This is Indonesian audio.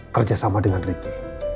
kerjasama dengan ricky